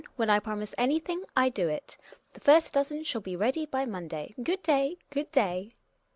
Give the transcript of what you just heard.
When I promise anything I do it. The first dozen shall be ready by Monday. Good day, good day.